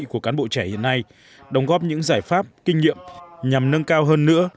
của cán bộ trẻ hiện nay đồng góp những giải pháp kinh nghiệm nhằm nâng cao hơn nữa